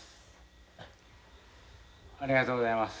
ありがとうございます。